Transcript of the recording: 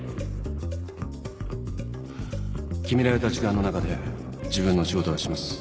決められた時間の中で自分の仕事はします